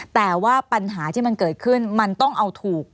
แต่ว่าปัญหาที่มันเกิดขึ้นมันต้องเอาถูก